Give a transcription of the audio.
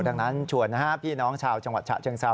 ดังนั้นชวนพี่น้องชาวจังหวัดฉะเชิงเซา